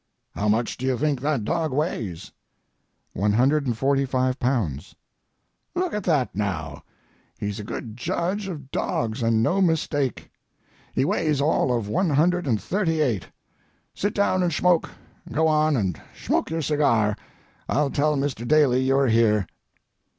"How much do you think that dog weighs?" "One hundred and forty five pounds." "Look at that, now! He's a good judge of dogs, and no mistake. He weighs all of one hundred and thirty eight. Sit down and shmoke—go on and shmoke your cigar, I'll tell Mr. Daly you are here."